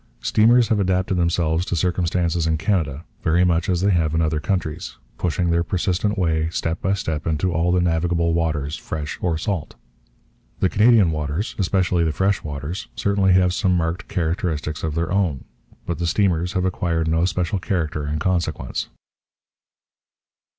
Steamers have adapted themselves to circumstances in Canada very much as they have in other countries, pushing their persistent way step by step into all the navigable waters, fresh or salt. The Canadian waters, especially the fresh waters, certainly have some marked characteristics of their own, but the steamers have acquired no special character in consequence.